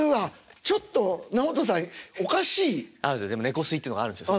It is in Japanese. でも猫吸いっていうのがあるんですよ。